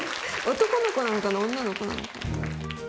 男の子なのかな、女の子なのかな。